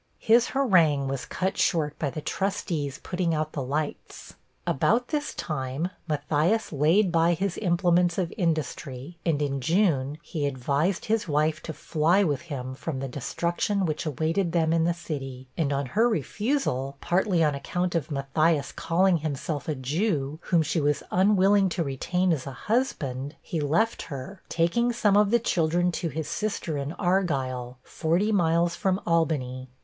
His harangue was cut short by the trustees putting out the lights. About this time, Matthias laid by his implements of industry, and in June, he advised his wife to fly with him from the destruction which awaited them in the city; and on her refusal, partly on account of Matthias calling himself a Jew, whom she was unwilling to retain as a husband, he left her, taking some of the children to his sister in Argyle, forty miles from Albany.